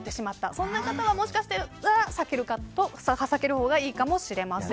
そんな方は、もしかしたら避ける方がいいかもしれません。